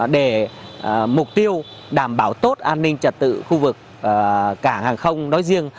để mục tiêu đảm bảo tốt an ninh trật tự khu vực cảng hàng không nói riêng